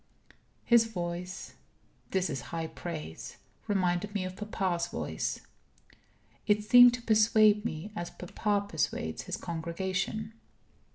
His voice this is high praise reminded me of papa's voice. It seemed to persuade me as papa persuades his congregation.